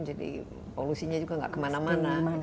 jadi polusinya juga tidak kemana mana